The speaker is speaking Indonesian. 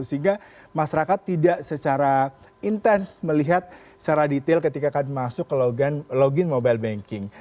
sehingga masyarakat tidak secara intens melihat secara detail ketika akan masuk ke login mobile banking